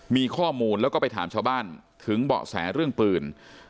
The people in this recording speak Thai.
มีข้อมูลแล้วก็ไปถามชาวบ้านถึงเบาะแสเรื่องปืน